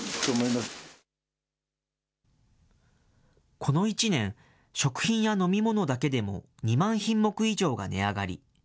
この１年、食品や飲み物だけでも２万品目以上が値上がり。